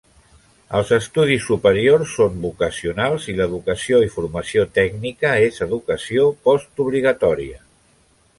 Els estudis superiors són vocacionals i l"educació i formació tècnica és educació postobligatòria.